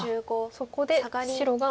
そこで白が。